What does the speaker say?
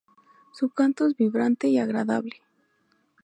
Su canto es vibrante y agradable.